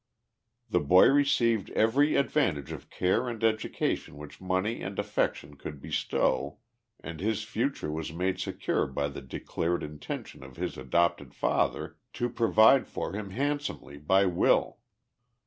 The boy received every ad vantage of care and education which money and affection could bestow, and his future was made secure by the declared inten tion of his adopted father to provide for him handsomely by will.